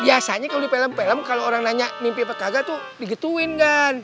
biasanya kalau di film film kalau orang nanya mimpi apa kagak tuh digetuin kan